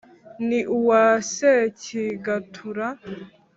ni uwa sekigatura,